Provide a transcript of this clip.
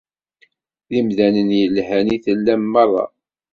D imdanen i yelhan i tellam merra.